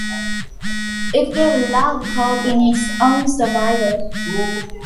It gave love hope in its own survival.